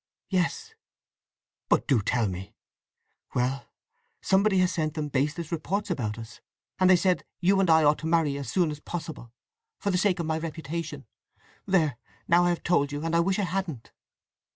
"Yes." "But do tell me!" "Well—somebody has sent them baseless reports about us, and they say you and I ought to marry as soon as possible, for the sake of my reputation! … There—now I have told you, and I wish I hadn't!"